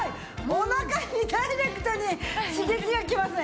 おなかにダイレクトに刺激がきますね。